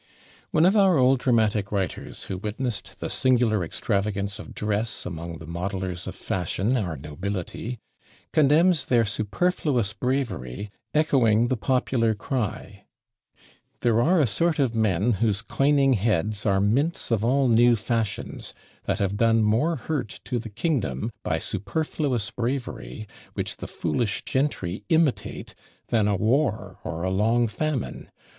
One of our old dramatic writers, who witnessed the singular extravagance of dress among the modellers of fashion, our nobility, condemns their "superfluous bravery," echoing the popular cry "There are a sort of men, whose coining heads Are mints of all new fashions, that have done More hurt to the kingdom, by superfluous bravery, Which the foolish gentry imitate, than a war Or a long famine.